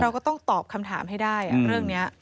ก็ต้องตอบคำถามให้ได้เรื่องนี้